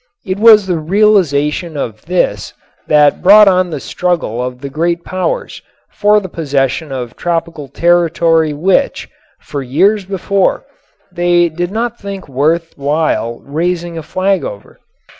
It was the realization of this that brought on the struggle of the great powers for the possession of tropical territory which, for years before, they did not think worth while raising a flag over.